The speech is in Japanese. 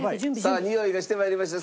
さあにおいがして参りました。